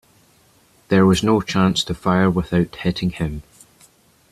There was no chance to fire without hitting him.